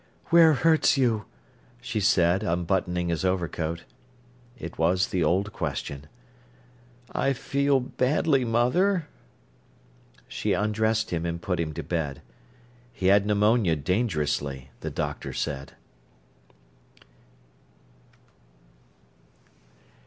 "Where hurts you?" she said, unbuttoning his overcoat. It was the old question. "I feel badly, mother." She undressed him and put him to bed. He had pneumonia dangerously, the doctor said.